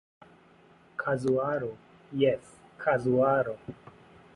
Kazuaro, Jes kazuaro.